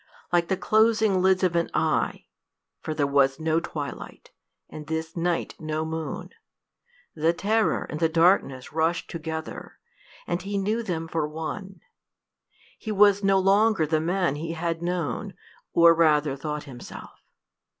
Like the closing lids of an eye for there was no twilight, and this night no moon the terror and the darkness rushed together, and he knew them for one. He was no longer the man he had known, or rather thought himself.